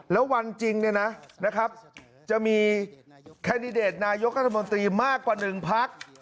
แล้ววันจริงเนี่ยนะจะมีแคนดิเดตนายกรัฐมนตรีมากกว่า๑พัก